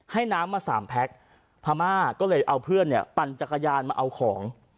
ให้น้ำมาสามแพ็คพม่าก็เลยเอาเพื่อนเนี่ยปั่นจักรยานมาเอาของ